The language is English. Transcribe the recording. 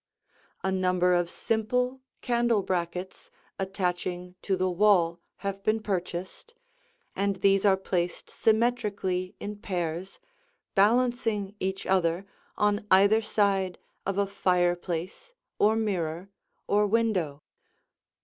A number of simple candle brackets attaching to the wall have been purchased, and these are placed symmetrically in pairs, balancing each other on either side of a fireplace or mirror or window.